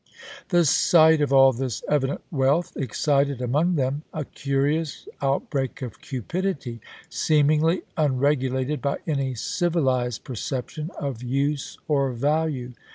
The sight of all this evident wealth excited among them a curious outbreak of cupidity, seemingly unreg ulated by any civilized perception of use or value.